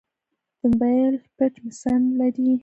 د موبایل ټچ مې ځنډ لري.